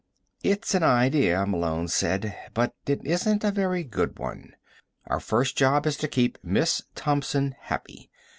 "It's an idea," Malone said. "But it isn't a very good one. Our first job is to keep Miss Thompson happy.